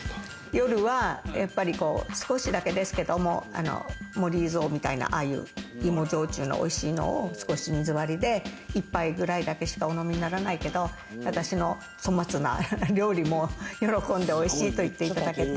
夜は少しだけですけれども、森伊蔵みたいな、ああいう芋焼酎のおいしいのを水割りで一杯ぐらいだけしかお飲みにならないけれども、私のお粗末な料理も喜んでおいしいと言っていただけて。